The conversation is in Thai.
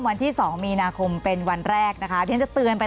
วันที่สองมีนาคมเป็นวันแรกนะคะที่ฉันจะเตือนไป